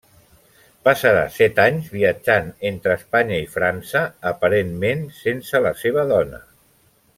Passarà set anys viatjant entre Espanya i França, aparentment sense la seva dona.